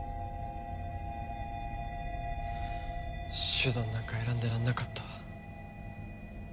手段なんか選んでられなかった。